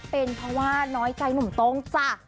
เป็นเพราะว่าน้อยใจหนุ่มโต้งจ้ะ